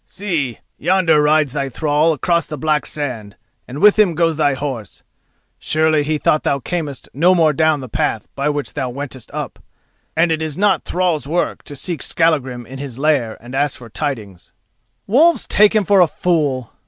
"See yonder rides thy thrall across the black sand, and with him goes thy horse. Surely he thought thou camest no more down the path by which thou wentest up, and it is not thrall's work to seek Skallagrim in his lair and ask for tidings." "Wolves take him for a fool!"